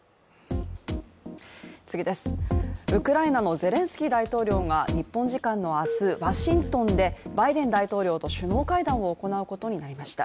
ウクライナのゼレンスキー大統領が日本時間の明日、ワシントンでバイデン大統領と首脳会談を行うことになりました。